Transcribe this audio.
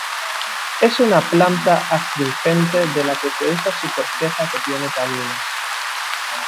Es una planta astringente de la que se usa su corteza que tiene taninos.